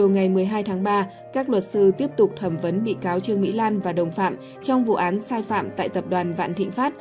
ngày một mươi hai tháng ba các luật sư tiếp tục thẩm vấn bị cáo trương mỹ lan và đồng phạm trong vụ án sai phạm tại tập đoàn vạn thịnh pháp